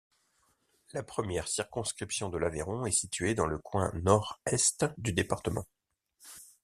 La première circonscription de l'Aveyron est située dans le coin nord-est du département.